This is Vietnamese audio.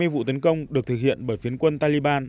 ba trăm hai mươi vụ tấn công được thực hiện bởi phiến quân taliban